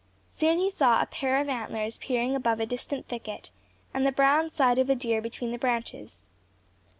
Soon he saw a pair of antlers peering above a distant thicket, and the brown side of a deer between the branches.